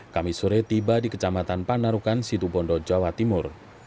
kami sore tiba di kecamatan panarukan situbondo jawa timur